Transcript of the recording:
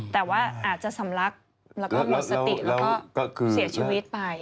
แต่ว่าอาจจะสำลักแล้วก็หมดสติแล้วก็เสียชีวิตไป